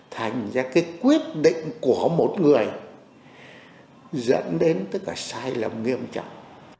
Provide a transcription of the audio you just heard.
thành ra cái quyết định của một người dẫn đến tất cả sai lầm nghiêm trọng